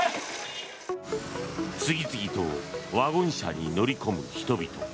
次々とワゴン車に乗り込む人々。